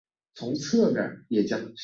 他还试图追杀试图报警的吴新国。